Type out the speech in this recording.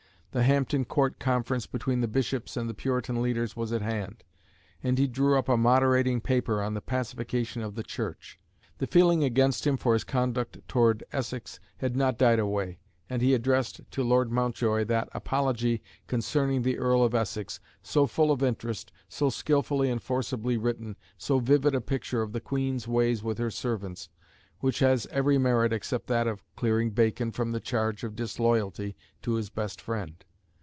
The Hampton Court conference between the Bishops and the Puritan leaders was at hand, and he drew up a moderating paper on the Pacification of the Church. The feeling against him for his conduct towards Essex had not died away, and he addressed to Lord Mountjoy that Apology concerning the Earl of Essex, so full of interest, so skilfully and forcibly written, so vivid a picture of the Queen's ways with her servants, which has every merit except that of clearing Bacon from the charge of disloyalty to his best friend.